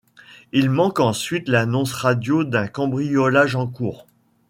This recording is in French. Ils manquent ensuite l'annonce radio d'un cambriolage en cours.